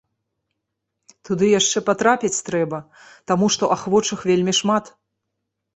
Туды яшчэ патрапіць трэба, таму што ахвочых вельмі шмат.